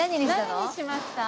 何にしました？